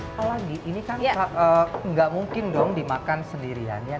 apalagi ini kan nggak mungkin dong dimakan sendirian ya